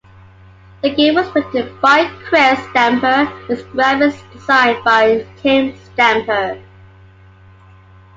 The game was written by Chris Stamper with graphics designed by Tim Stamper.